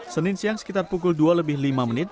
senin siang sekitar pukul dua lebih lima menit